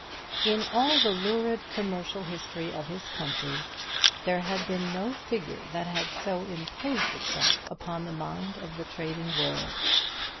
In all the lurid commercial history of his country there had been no figure that had so imposed itself upon the mind of the trading world.